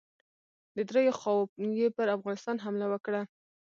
د دریو خواوو یې پر افغانستان حمله وکړه.